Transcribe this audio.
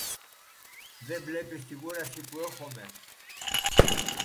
Δε βλέπεις την κούραση που έχομε.